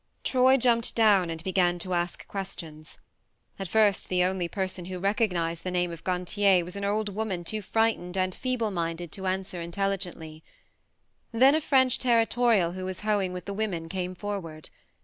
Troy jumped down and began to ask questions. At first the only person who recognized the name of Gantier was an old woman too frightened and feeble minded to answer intelligibly. Then a French territorial who was hoeing with the women came forward.